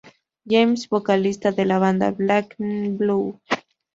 James, vocalista de la banda Black N' Blue.